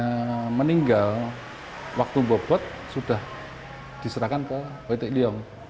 yang meninggal waktu bobot sudah diserahkan ke wt ilyong